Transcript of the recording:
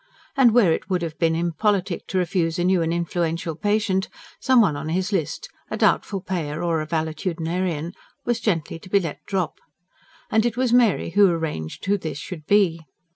And where it would have been impolitic to refuse a new and influential patient, some one on his list a doubtful payer or a valetudinarian was gently to be let drop. And it was Mary who arranged who this should be.